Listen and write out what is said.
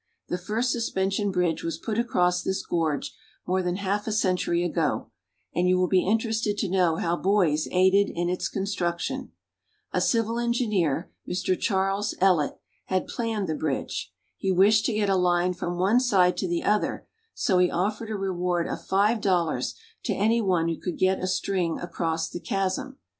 The first suspension bridge was put across this gorge more than half a century ago, and you will be interested to know how boys aided in its construction. A civil en gineer, Mr. Charles Ellet, had planned the bridge. He wished to get a Hne from one side to the other; so he offered a reward of five dollars to any one who could get a string across the chasm.